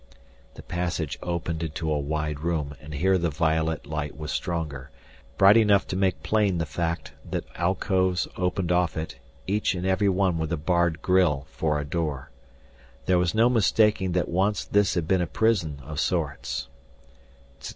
The passage opened into a wide room and here the violet light was stronger, bright enough to make plain the fact that alcoves opened off it, each and every one with a barred grille for a door. There was no mistaking that once this had been a prison of sorts.